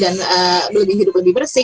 dan hidup lebih bersih